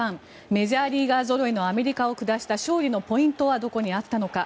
メジャーリーガーぞろいのアメリカを下した勝利のポイントはどこにあったのか。